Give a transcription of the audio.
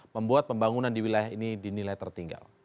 membuat pembangunan di wilayah ini dinilai tertinggal